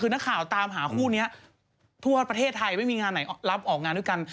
คือนักข่าวตามหาคู่นี้ทั่วประเทศไทยไม่มีงานไหนรับออกงานด้วยกัน